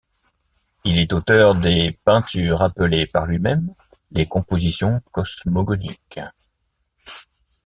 Il est auteur des peintures appelées par lui-même les compositions cosmogoniques.